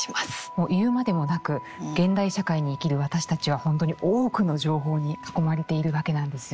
もう言うまでもなく現代社会に生きる私たちは本当に多くの情報に囲まれているわけなんですよね。